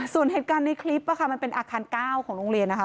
ส่วนเหตุการณ์ในคลิปว่าค่ะมันเป็นอาคารก้าวของโรงเรียน